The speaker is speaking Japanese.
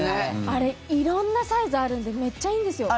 あれ色んなサイズあるんでめっちゃいいんですよ。